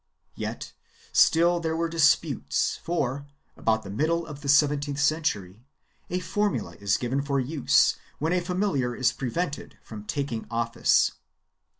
3 Yet still there were disputes for, about the middle of the seventeenth century, a formula is given for use when a familiar is prevented from taking office.